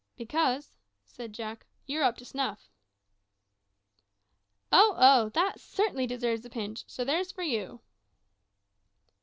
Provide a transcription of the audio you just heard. "Because," said Jack, "you're `_up to snuff_.'" "Oh, oh! that certainly deserves a pinch; so there's for you."